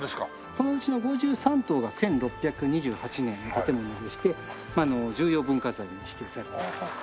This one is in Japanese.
そのうちの５３棟が１６２８年の建物でして重要文化財に指定されています。